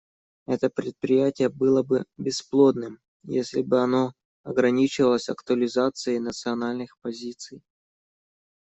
Это предприятие было бы бесплодным, если бы оно ограничивалось актуализацией национальных позиций.